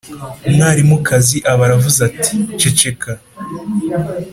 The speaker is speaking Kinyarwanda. umwarimukazi aba aravuze ati ceceka!